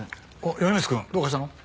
米光くんどうかしたの？